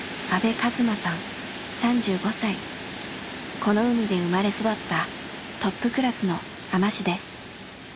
この海で生まれ育ったトップクラスの海士です。